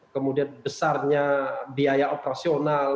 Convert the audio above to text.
kemudian besarnya biaya operasional